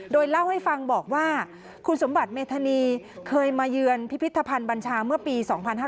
โดยเล่าให้ฟังบอกว่าคุณสมบัติเมธานีเคยมาเยือนพิพิธภัณฑ์บัญชาเมื่อปี๒๕๕๙